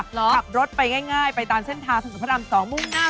ขับรถไปง่ายไปตามเส้นทางถนนพระราม๒มุ่งหน้า